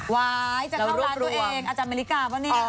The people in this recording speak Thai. วายจะเข้าร้านตัวเองอาจารย์เมริกาป่ะเนี่ย